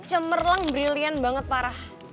cemerlang brilliant banget parah